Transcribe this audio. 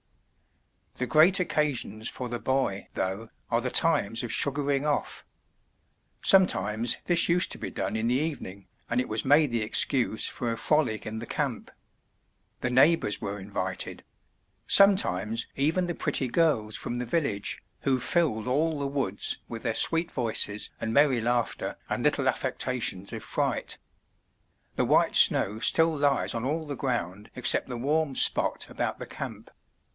The great occasions for the boy, though, are the times of "sugaring off.'* Sometimes this used to be done in the evening and it was made the excuse for a frolic in the camp. The neigh bors were invited; sometimes even the pretty girls from the 147 MYBOOK HOUSE village, who filled all the woods with their sweet voices and merry laughter and little affectations of fright. The white snow still lies on all the ground except the warm spot about the camp.